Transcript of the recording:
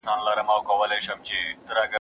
¬ نر مي بولې، چي کال ته تر سږ کال بې غيرته يم.